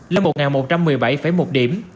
lên một một trăm một mươi bảy một điểm